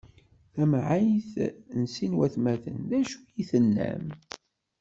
Tamɛayt n sin n watmaten: D acu i tennam?